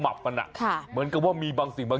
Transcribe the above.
มาครั้งนี้มันจะมากินกินขนุนครับ